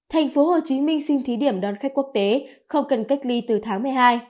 thành phố hồ chí minh xin thí điểm đón khách quốc tế không cần cách ly từ tháng một mươi hai